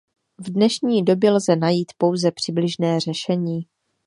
V dnešní době lze najít pouze přibližné řešení.